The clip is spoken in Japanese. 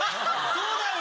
そうだよね？